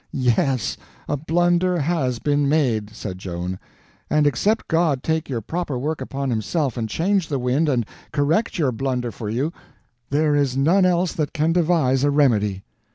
"Yes, a blunder has been made," said Joan, "and except God take your proper work upon Himself and change the wind and correct your blunder for you, there is none else that can devise a remedy."